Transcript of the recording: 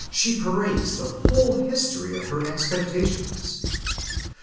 159 parades the whole history of her expectations?